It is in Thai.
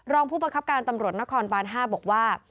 รองผู้บังคับการตำรวจนครบาน๕บอกว่า